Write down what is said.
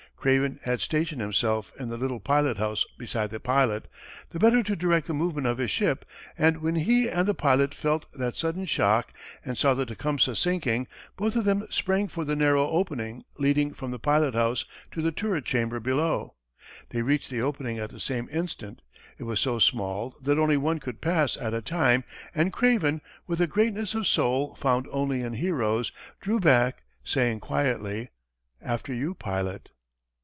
Craven had stationed himself in the little pilot house beside the pilot, the better to direct the movements of his ship, and when he and the pilot felt that sudden shock and saw the Tecumseh sinking, both of them sprang for the narrow opening leading from the pilot house to the turret chamber below. They reached the opening at the same instant; it was so small that only one could pass at a time, and Craven, with a greatness of soul found only in heroes, drew back, saying quietly, "After you, pilot."